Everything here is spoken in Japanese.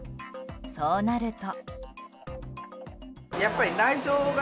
そうなると。